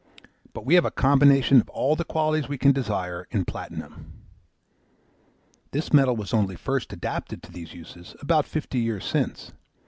But we have a combination of all the qualities we can desire in Platinum. This metal was only first adapted to these uses about fifty years since.